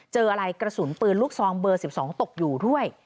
เจออะไรกระสุนปืนลูกซองเบอร์๑๒ตกอยู่ด้วย